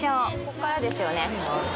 ここからですよね？